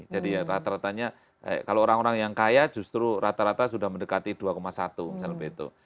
jadi ya rata ratanya kalau orang orang yang kaya justru rata rata sudah mendekati dua satu misalnya begitu